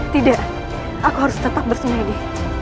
tidak ada satu orang pun yang menolong aku